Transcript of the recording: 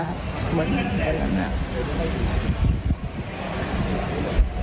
เหมือนแห่งหนัก